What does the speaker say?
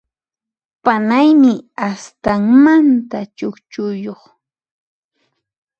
Panaymi astanmanta chukchuyuq.